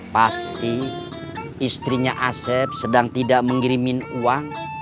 pasti istrinya asep sedang tidak mengirimin uang